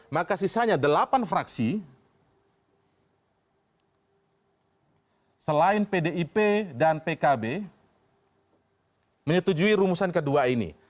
maka sisanya delapan fraksi selain pdip dan pkb menyetujui rumusan kedua ini